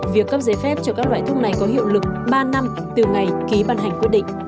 việc cấp giấy phép cho các loại thuốc này có hiệu lực ba năm từ ngày ký ban hành quyết định